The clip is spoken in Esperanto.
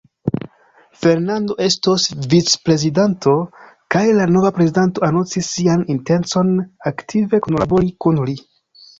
Fernando estos vicprezidanto, kaj la nova prezidanto anoncis sian intencon aktive kunlabori kun li.